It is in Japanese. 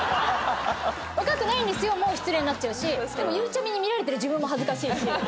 「若くないんですよ」も失礼になっちゃうしでもゆうちゃみに見られてる自分も恥ずかしいし。